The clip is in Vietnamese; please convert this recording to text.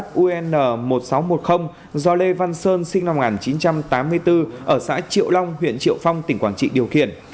số thuốc lá trên được vận chuyển trên xe ô tô biển kiểm soát un một nghìn sáu trăm một mươi do lê văn sơn sinh năm một nghìn chín trăm tám mươi bốn ở xã triệu long huyện triệu phong tỉnh quảng trị điều khiển